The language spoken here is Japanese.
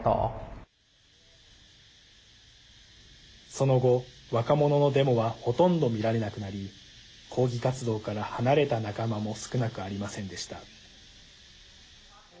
その後、若者のデモはほとんど見られなくなり抗議活動から離れた仲間も少なくありませんでした。